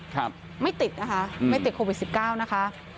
ครับไม่ติดนะคะไม่ติดโควิดสิบเก้านะคะ